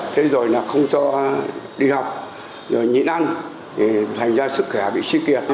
thế rồi không cho đi học nhịn ăn thành ra sức khỏe bị si kiệt